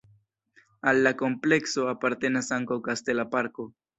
Al la komplekso apartenas ankaŭ kastela parko.